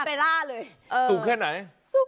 เหมือนออเบร่าเลย